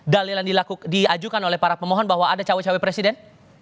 dalil yang diajukan oleh para pemohon bahwa ada cawe cawe presiden